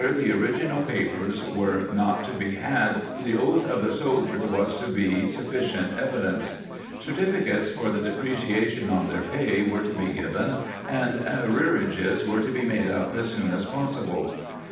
139 ] ^he Private Soldier Under Washington inal papers were not to be had the oath of the soldier was to be sufficient evidence. Certificates for the depreciation on their pay were to be given, and arrearages were to be made up as soon as possible.